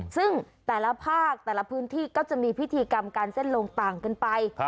ซึ่งแต่ละภาคแต่ละพื้นที่ก็จะมีพิธีกรรมการเส้นลงต่างกันไป